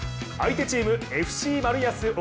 相手チームＦＣマルヤス